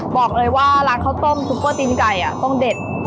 บอกเลยว่าร้านข้าวต้มซุปเปอร์ตีนไก่ต้องเด็ด